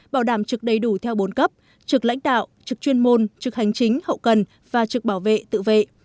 bảo đảm trực đầy đủ theo bốn cấp trực lãnh đạo trực chuyên môn trực hành chính hậu cần và trực bảo vệ tự vệ